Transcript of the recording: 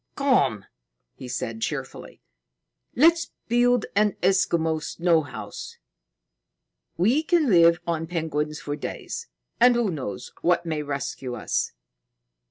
"Come!" he said cheerfully. "Let's build an Eskimo snow house. We can live on penguins for days. And who knows what may rescue us?"